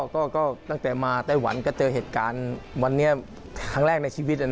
ก็ตั้งแต่มาไต้หวันก็เจอเหตุการณ์วันนี้ครั้งแรกในชีวิต